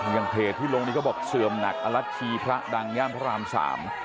อย่างเพจที่ลงนี้เขาบอกเสื่อมหนักอรัชชีพระดังย่านพระรามสาม